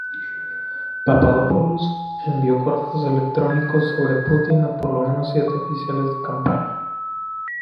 Papadopoulos envió correos electrónicos sobre Putin a por lo menos siete oficiales de campaña.